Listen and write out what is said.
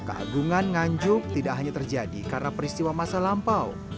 keagungan nganjuk tidak hanya terjadi karena peristiwa masa lampau